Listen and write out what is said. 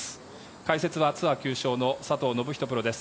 解説はツアー９勝の佐藤信人さんです。